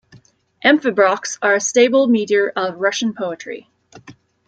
Amphibrachs are a staple meter of Russian poetry.